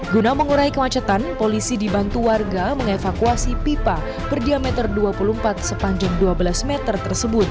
guna mengurai kemacetan polisi dibantu warga mengevakuasi pipa berdiameter dua puluh empat sepanjang dua belas meter tersebut